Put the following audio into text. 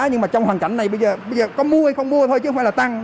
nhưng mà trong hoàn cảnh này bây giờ có mua hay không mua thôi chứ không phải là tăng